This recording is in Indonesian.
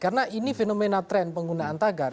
karena ini fenomena tren penggunaan tagar